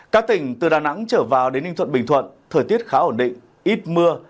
các tỉnh từ đà nẵng trở vào đến ninh thuận bình thuận thời tiết khá ổn định ít mưa